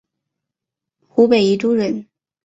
湖北宜都人。